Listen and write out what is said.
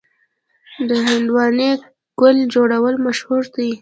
د هندواڼې ګل جوړول مشهور دي.